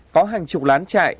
có hàng chục lán chạy